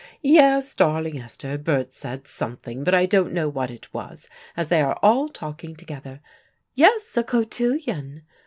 "Yes, darling Esther, Berts said something, but I don't know what it was as they are all talking together. Yes, a cotillion.